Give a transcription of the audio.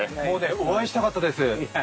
お会いしたかったです。